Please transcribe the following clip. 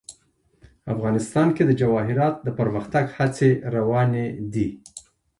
افغانستان کې د جواهرات د پرمختګ هڅې روانې دي.